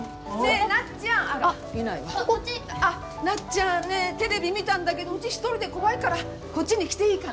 なっちゃんねえテレビ見たんだけどうち一人で怖いからこっちに来ていいかな？